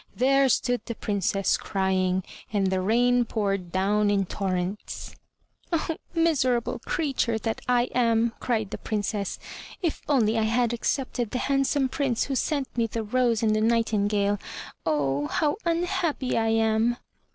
There stood the Princess cry ing, and the rain poured down in torrents. TJONW P. 274 THE TREASURE CHEST "Oh, miserable creature that I am!" cried the Princess, "if only I had accepted the handsome Prince who sent me the rose and the nightingale. Oh, how unhappy I am!"